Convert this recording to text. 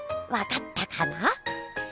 わかったかな？